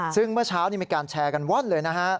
ซึ่งเมื่อเช้านี้มีการแชร์กันว่อนเลยนะฮะ